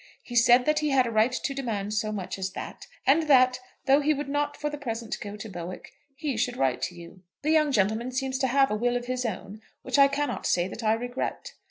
He said that he had a right to demand so much as that, and that, though he would not for the present go to Bowick, he should write to you. The young gentleman seems to have a will of his own, which I cannot say that I regret.